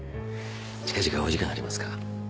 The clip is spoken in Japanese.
近々お時間ありますか？